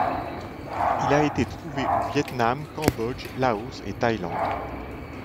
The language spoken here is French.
Il a été trouvé au Vietnam, Cambodge, Laos et Thaïlande.